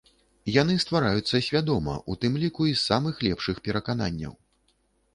Яны ствараюцца свядома, у тым ліку, і з самых лепшых перакананняў.